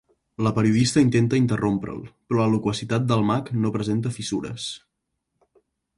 La periodista intenta interrompre'l, però la loquacitat del mag no presenta fissures.